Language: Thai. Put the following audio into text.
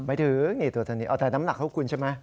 ไม่ถึงนิดแถวน้ำหนักเขาคุณใช่ไหม